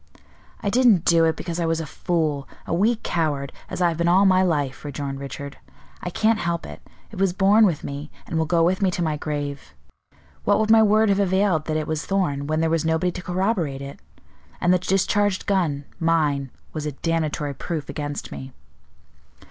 "I didn't do it, because I was a fool, a weak coward, as I have been all my life," rejoined Richard. "I can't help it; it was born with me, and will go with me to my grave. What would my word have availed that it was Thorn, when there was nobody to corroborate it? And the discharged gun, mine, was a damnatory proof against me."